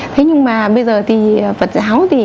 thế nhưng mà bây giờ thì phật giáo